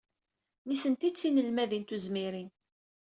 Nitenti d tinelmadin tuzmirin.